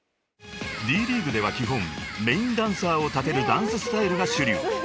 ［Ｄ．ＬＥＡＧＵＥでは基本メインダンサーを立てるダンススタイルが主流］